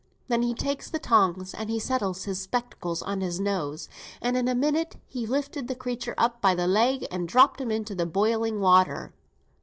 Then he takes the tongs, and he settles his spectacles on his nose, and in a minute he had lifted the creature up by th' leg, and dropped him into the boiling water."